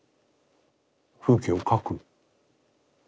風景を描く。